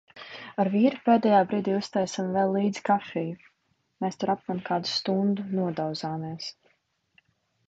Ar vīru pēdējā brīdī uztaisām vēl līdzi kafiju. Mēs tur aptuveni kādu stundu nodauzāmies.